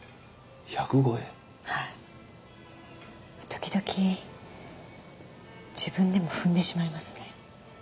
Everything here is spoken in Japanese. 時々自分でも踏んでしまいますね。